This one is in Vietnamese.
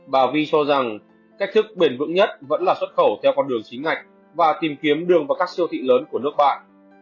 bà vi cho rằng cách thức bền vững nhất vẫn là xuất khẩu theo con đường chính ngạch và tìm kiếm đường vào các siêu thị lớn của nước bạn